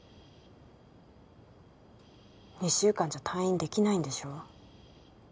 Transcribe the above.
２週間じゃ退院出来ないんでしょ？